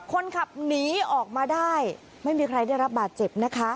คนขับหนีออกมาได้ไม่มีใครได้รับบาดเจ็บนะคะ